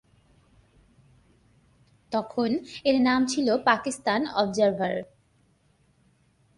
তখন এর নাম ছিল পাকিস্তান অবজার্ভার।